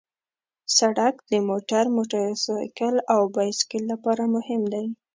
سړک د موټر، موټرسایکل او بایسکل لپاره مهم دی.